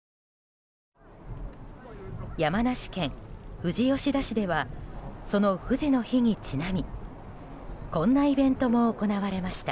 山梨県富士吉田市ではその富士の日にちなみこんなイベントも行われました。